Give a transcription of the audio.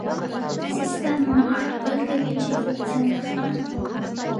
سیسټم اټکل کوي چې څوک څنګه ښکاري.